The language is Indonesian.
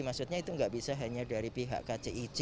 maksudnya itu nggak bisa hanya dari pihak kcic